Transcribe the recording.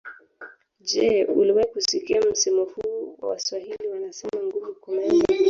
Je uliwahi kusikia msemo huu wa Waswahili wanasema ngumu kumeza